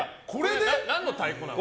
何の太鼓なの？